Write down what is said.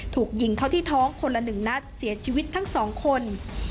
ถูกยิงเข้าที่ท้องคนละ๑นัดเสียชีวิตทั้งสองคน